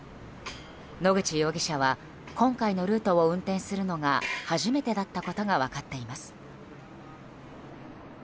野口容疑者は今回のルートを運転するのが初めてだったことが分かっています。